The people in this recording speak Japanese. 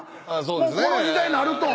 もうこの時代になると。